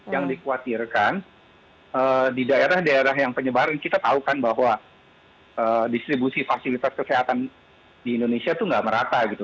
yang dikhawatirkan di daerah daerah yang penyebaran kita tahu kan bahwa distribusi fasilitas kesehatan di indonesia itu nggak merata gitu